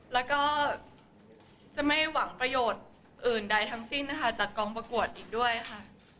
แล้วก็จะไม่หวังประโยชน์อื่นใดทั้งสิ้นนะคะจากกองประกวดอีกด้วยค่ะ